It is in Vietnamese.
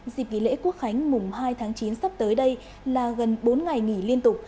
dịp nghỉ lễ quốc khánh mùng hai tháng chín sắp tới đây là gần bốn ngày nghỉ liên tục